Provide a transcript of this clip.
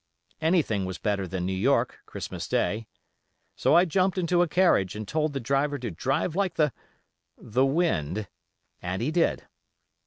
Anything was better than New York, Christmas day. So I jumped into a carriage and told the driver to drive like the—the wind, and he did.